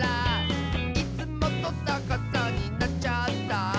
「いつもとさかさになっちゃった」